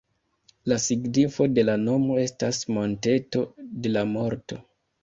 La signifo de la nomo estas ""monteto de la morto"".